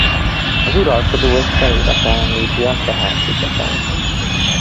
Az uralkodó egy felirata említi a Szehel-szigeten.